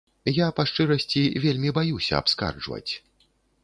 Я, па шчырасці, вельмі баюся абскарджваць.